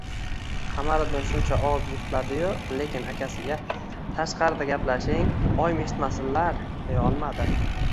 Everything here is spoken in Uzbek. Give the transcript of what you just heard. Qamariddin shuncha og‘iz juftladi-yu, lekin akasiga: “Tashqarida gaplashing, oyim eshitmasinlar”, – deya olmadi